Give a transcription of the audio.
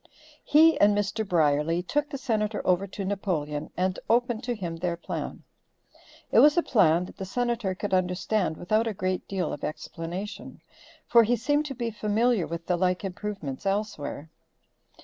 He and Mr. Brierly took the Senator over to Napoleon and opened to him their plan. It was a plan that the Senator could understand without a great deal of explanation, for he seemed to be familiar with the like improvements elsewhere.